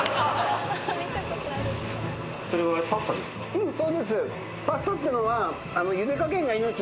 うんそうです。